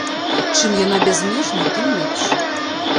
Чым яна бязмежней, тым лепш.